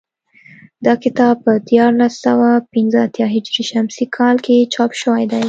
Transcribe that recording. دا کتاب په دیارلس سوه پنځه اتیا هجري شمسي کال کې چاپ شوی دی